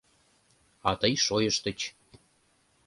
А тый шойыштыч.